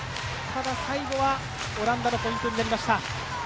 ただ最後はオランダのポイントになりました。